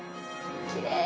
きれい！